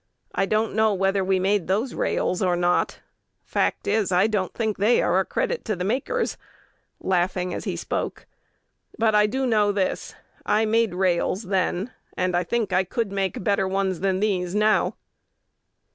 I don't know whether we made those rails or not; fact is, I don't think they are a credit to the makers" (laughing as he spoke). "But I do know this: I made rails then, and I think I could make better ones than these now."